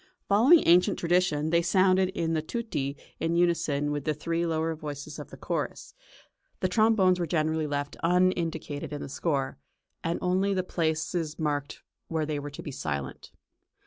Following ancient tradition they sounded in the tutti in unison with the three lower voices of the chorus; the trombones were generally left unindicated in the score, and only the places marked where they were to be silent.